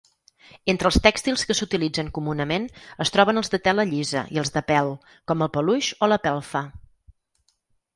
Entre els tèxtils que s'utilitzen comunament es troben els de tela llisa i els de pèl, com el peluix o la pelfa.